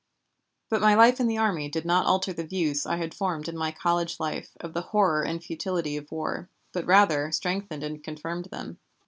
But my life in the army did not alter the views I had formed in my college life of the horror and futility of war, but rather strengthened and confirmed them.